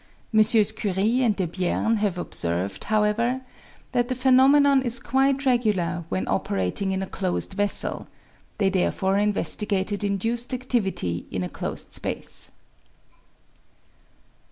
MM. Curie and Debierne have observed, however, that the phenomenon is quite regular when operating in a closed vessel ; they therefore investigated induced adivity in a closed space.